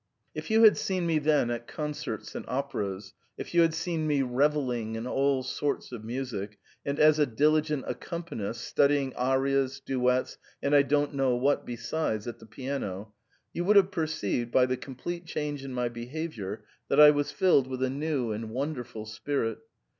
" If you had seen me then at concerts and operas, if you had seen me revelling in all sorts of music, and as a diligent accompanist studying arias, duets, and I don't know what besides at the piano, you would have perceived, by the complete change in my behaviour, that I was filled with a new and wonderful spirit.